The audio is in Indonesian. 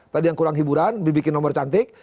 tadi yang kurang hiburan dibikin nomor cantik